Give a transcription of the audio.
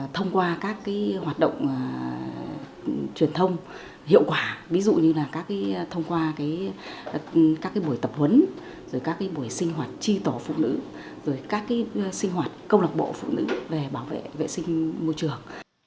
thông qua các hoạt động truyền thông hiệu quả ví dụ như là thông qua các buổi tập huấn rồi các buổi sinh hoạt tri tổ phụ nữ rồi các sinh hoạt câu lạc bộ phụ nữ về bảo vệ vệ sinh môi trường